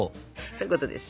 そういうことです。